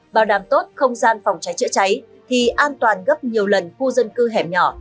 bảo đảm tốt không gian phòng cháy chữa cháy thì an toàn gấp nhiều lần khu dân cư hẻm nhỏ